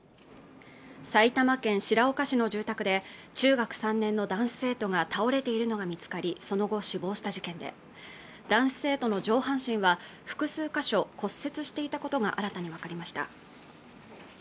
埼玉県白岡市の住宅で中学３年の男子生徒が倒れているのが見つかりその後死亡した事件で男子生徒の上半身は複数箇所骨折していたことが新たに分かりました